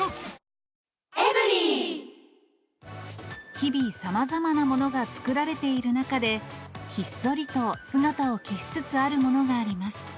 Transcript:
日々、さまざまなものが作られている中で、ひっそりと姿を消しつつあるものがあります。